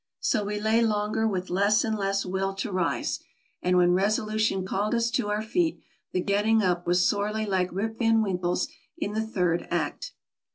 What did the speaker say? So we lay longer with less and less will to rise, and when resolution called us to our feet the getting up was sorely like Rip Van Winkle's in the third act.